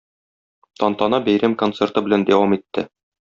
Тантана бәйрәм концерты белән дәвам итте.